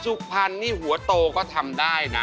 สุพรรณนี่หัวโตก็ทำได้นะ